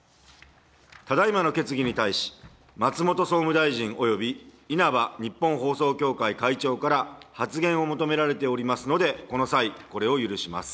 ただいまの決議に対し、松本総務大臣および稲葉日本放送協会会長から発言を求められておりますので、この際、これを許します。